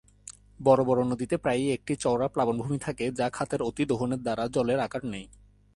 বড়ো বড়ো নদীতে প্রায়ই একটা চওড়া প্লাবনভূমি থাকে যা খাতের অতি-দোহনের দ্বারা জলের আকার নেয়।